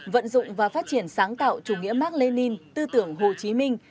vận dụng và phát triển sáng tạo chủ nghĩa mark lenin tư tưởng hồ chí minh